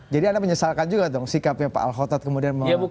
jadi anda menyesalkan juga dong sikapnya pak al khotod kemudian mengumbar ini ke publik